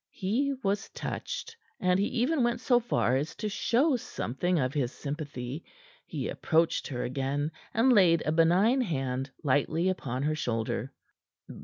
He was touched, and he even went so far as to show something of his sympathy. He approached her again, and laid a benign hand lightly upon her shoulder.